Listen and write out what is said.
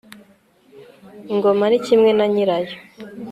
ingoma ni kimwe na nyirayo